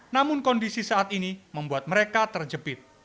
namun kondisi saat ini membuat mereka terjepit